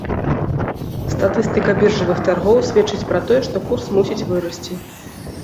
Статыстыка біржавых таргоў сведчыць пра тое, што курс мусіць вырасці.